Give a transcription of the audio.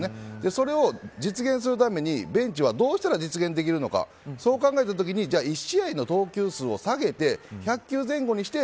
それを実現するために、ベンチはどうしたら実現できるのかそう考えたときに１試合の投球数を下げて１００球前後にして